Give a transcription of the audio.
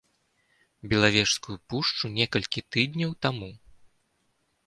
Белавежскую пушчу некалькі тыдняў таму.